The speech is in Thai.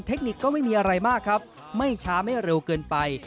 เทคนิคก็ไม่มีอะไรมากครับไม่ช้าไม่เร็วเกินไป